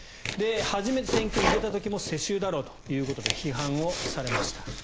初めて選挙に出た時も世襲だろうということで批判されました。